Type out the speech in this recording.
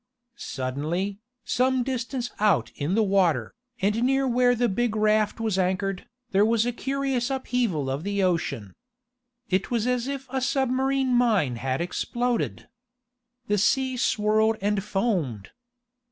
Suddenly, some distance out in the water, and near where the big raft was anchored, there was a curious upheaval of the ocean. It was as if a submarine mine had exploded! The sea swirled and foamed!